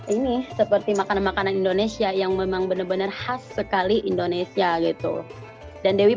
ini seperti makanan makanan indonesia yang memang benar benar khas sekali indonesia gitu dan dewi